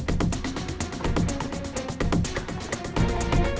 ayu kenapa mas